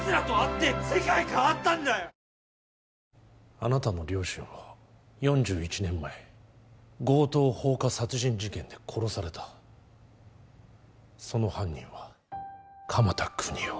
あなたの両親は４１年前強盗放火殺人事件で殺されたその犯人は鎌田國士